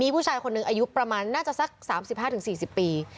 ผู้ชายคนหนึ่งอายุประมาณน่าจะสัก๓๕๔๐ปี